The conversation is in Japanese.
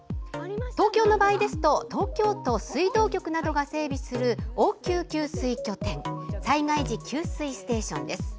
東京の場合ですと東京都水道局などが整備する応急給水拠点災害時給水ステーションです。